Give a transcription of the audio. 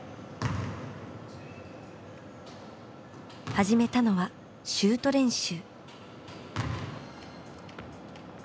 始めたのはシュート練習。